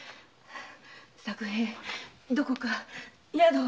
作平どこか宿を。